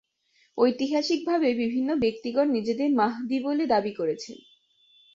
ঐতিহাসিকভাবে বিভিন্ন ব্যক্তিগণ নিজেদের মাহদী বলে দাবি করেছেন।